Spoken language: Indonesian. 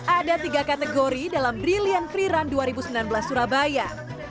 ada tiga kategori dalam brilliant free run dua ribu sembilan belas surabaya